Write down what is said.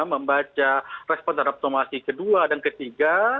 membaca respon terhadap tomasi kedua dan ketiga